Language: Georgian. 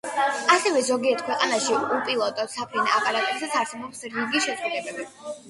ასევე ზოგიერთ ქვეყანაში უპილოტო საფრენ აპარატებზე არსებობს რიგი შეზღუდვები.